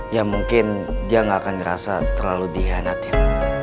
ya mungkin dia gak akan ngerasa terlalu dihianatin